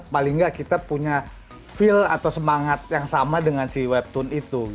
paling nggak kita punya feel atau semangat yang sama dengan si webtoon itu